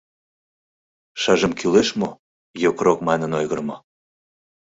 Шыжым кӱлеш мо, йокрок манын, ойгырымо?